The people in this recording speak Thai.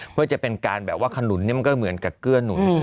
เพื่อจะเป็นการแบบว่าขนุนนี่มันก็เหมือนกับเกื้อหนุน